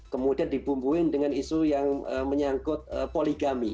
kemudian dibumbuin dengan isu yang menyangkut poligami